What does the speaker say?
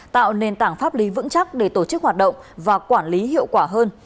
tạo nền tảng pháp lý vững chắc để tổ chức hoạt động và quản lý hiệu quả hơn